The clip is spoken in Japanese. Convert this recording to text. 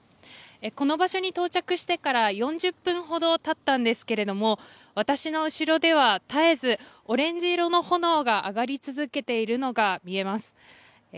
この場所に到着してから４０分ほどたったんですけれども私の後ろでは絶えずオレンジ色の炎が上がり続けているのが見えます。